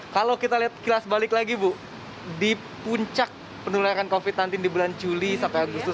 kalau kita lihat kilas balik lagi bu di puncak penularan covid sembilan belas di bulan juli sampai agustus